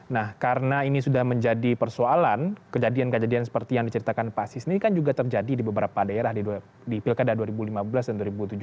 nah karena ini sudah menjadi persoalan kejadian kejadian seperti yang diceritakan pak asis ini kan juga terjadi di beberapa daerah di pilkada dua ribu lima belas dan dua ribu tujuh belas